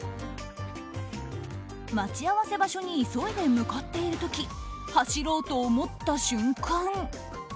待ち合わせ場所に急いで向かっている時走ろうと思った瞬間。